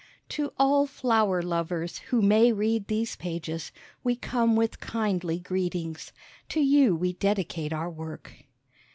To all Flower Lovers who may read these pages, we come with kindly greetings. To you we dedicate our Work.